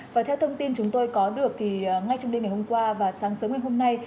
và theo thông tin chúng tôi có được thì ngay trong đêm ngày hôm qua và sáng sớm ngày hôm nay